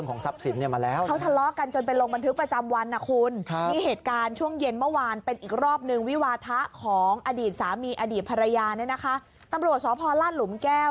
ของอดีตสามีอดีตภรรยาตำรวจสอบพรรณล่าดหลุมแก้ว